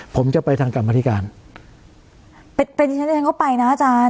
ผมจะไปทางกรรมพธิการเป็นอย่างนั้นก็ไปนะอาจารย์